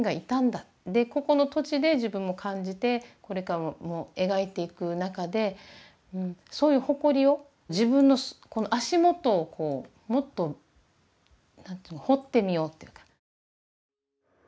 でここの土地で自分も感じてこれからも描いていく中でそういう誇りを自分のこの足元をこうもっと何て言うの掘ってみようっていうか。